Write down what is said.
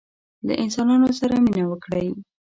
له انسانانو سره مینه وکړئ